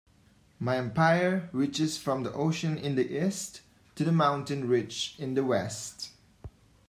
My empire reaches from the ocean in the East to the mountain ridge in the West.